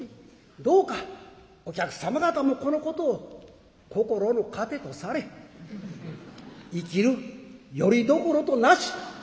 どうかお客様方もこのことを心の糧とされ生きるよりどころとなし